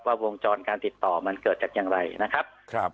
วงจรการติดต่อมันเกิดจากอย่างไรนะครับ